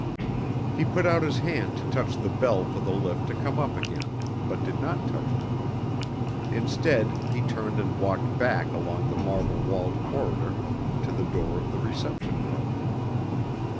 He put out his hand to touch the bell for the lift to come up again, but did not touch it. Instead, he turned and walked back along the marble walled corridor to the door of the reception room.